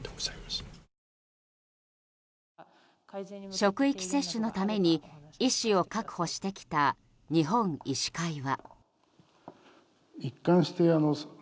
職域接種のために医師を確保してきた日本医師会は。